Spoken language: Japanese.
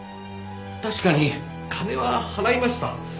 確かに金は払いました。